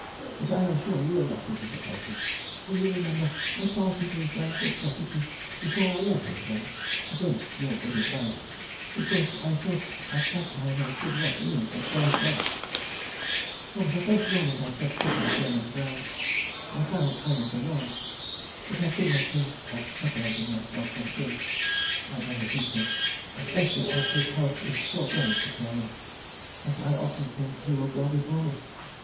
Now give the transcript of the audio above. But I am sure you will not be disappointed, for you remember I parted with my little property before I left England (against your good advice) because I thought at that time I should not live a twelvemonth. From the first moment I set foot on German ground, I found I was alone. But I could not think of separating myself from him, [her brother Dietrich] especially as his health is so very precarious, that I often think he will go before me.